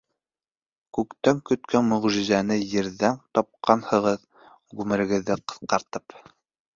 Күктән көткән мөғжизәне ерҙән тапҡанһығыҙ, ғүмерегеҙҙе ҡыҫҡартып.